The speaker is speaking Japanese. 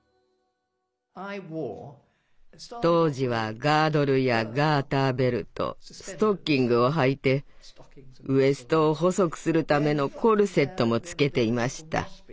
当時はガードルやガーターベルトストッキングをはいてウエストを細くするためのコルセットも着けていました。